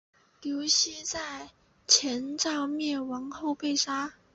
刘熙在前赵灭亡后被杀。